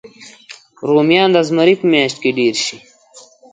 رومیان د زمري په میاشت کې ډېر شي